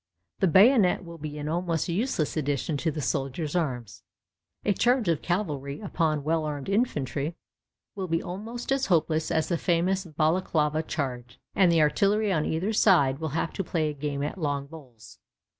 The bayonet will be an almost useless addition to the soldier's arms; a charge of cavalry upon well armed infantry will be almost as hopeless as the famous Balaclava charge; and the artillery on either side will have to play a game at long bowls.